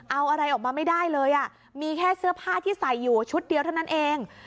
เอาอะไรออกมาไม่ได้เลยอ่ะมีแค่เสื้อผ้าที่ใส่อยู่ชุดเดียวเท่านั้นเอง